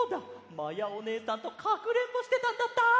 まやおねえさんとかくれんぼしてたんだった！